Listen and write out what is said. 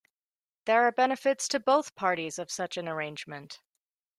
There are benefits to both parties of such an arrangement.